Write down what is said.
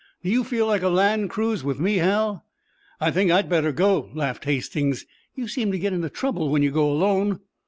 "Do you feel like a land cruise with me, Hal?" "I think I'd better go," laughed Hastings. "You seem to get into trouble when you go alone."